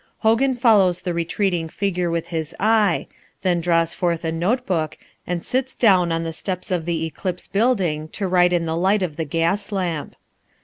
Hogan follows the retreating figure with his eye; then draws forth a notebook and sits down on the steps of The Eclipse building to write in the light of the gas lamp.